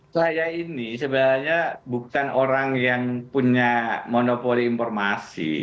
saya ini sebenarnya bukan orang yang punya monopoli informasi